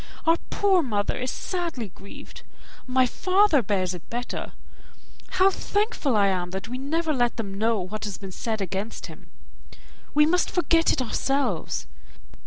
Our poor mother is sadly grieved. My father bears it better. How thankful am I, that we never let them know what has been said against him; we must forget it ourselves.